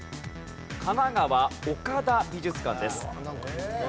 神奈川岡田美術館です。